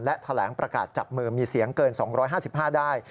และแถลงประกาศจับมือมีเสียงเกิน๒๕๕ได้